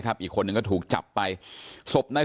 เขาตีกันบ่อยไหมครับ